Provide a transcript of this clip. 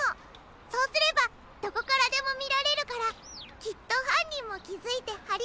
そうすればどこからでもみられるからきっとはんにんもきづいてはりかえにくるわ。